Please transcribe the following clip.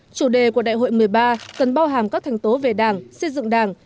chủ đề của đại hội một mươi ba cần bao hàm các thành tố về đảng xây dựng đảng